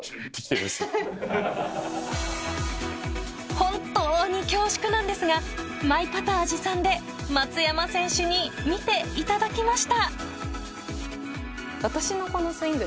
本当に恐縮なんですがマイパター持参で松山選手に見ていただきました。